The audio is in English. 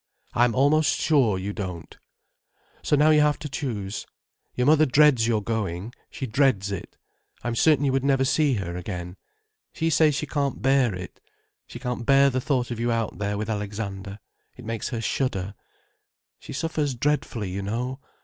I'm almost sure you don't. So now you have to choose. Your mother dreads your going—she dreads it. I am certain you would never see her again. She says she can't bear it—she can't bear the thought of you out there with Alexander. It makes her shudder. She suffers dreadfully, you know.